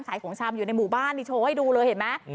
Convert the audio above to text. ของชำอยู่ในหมู่บ้านนี่โชว์ให้ดูเลยเห็นไหม